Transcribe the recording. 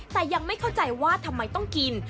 แต่ยังไม่เข้าใจว่าทำไมต้องกิน